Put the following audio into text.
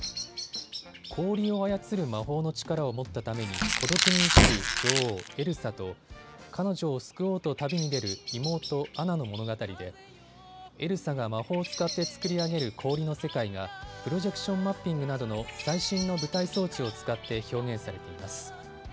氷を操る魔法の力を持ったために孤独に生きる女王、エルサと彼女を救おうと旅に出る妹、アナの物語でエルサが魔法を使って作り上げる氷の世界がプロジェクションマッピングなどの最新の舞台装置を使って表現されています。